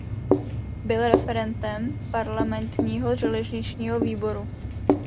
Byl referentem parlamentního železničního výboru.